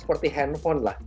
seperti handphone lah